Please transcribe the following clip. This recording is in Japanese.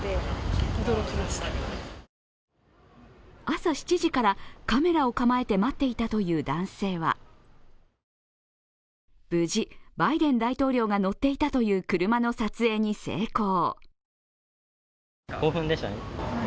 朝７時からカメラを構えて待っていたという男性は無事、バイデン大統領が乗っていたという車の撮影に成功。